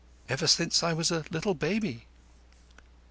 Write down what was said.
"Ever since I was a little baby."